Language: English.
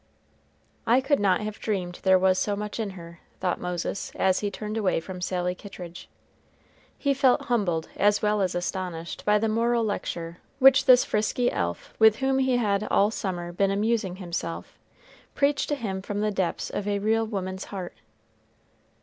"I could not have dreamed there was so much in her," thought Moses, as he turned away from Sally Kittridge. He felt humbled as well as astonished by the moral lecture which this frisky elf with whom he had all summer been amusing himself, preached to him from the depths of a real woman's heart.